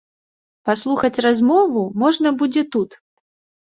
Паслухаць размову можна будзе тут.